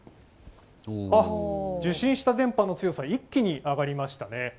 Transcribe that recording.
受信した電波の強さ一気に上がりましたね。